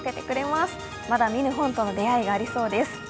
まだ見ぬ本との出会いがありそうです。